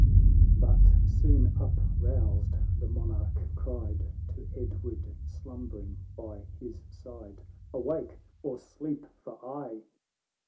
But soon up rousod, the Monarch cried To Edward slumbering by his side, " Awake, or sleep lor aye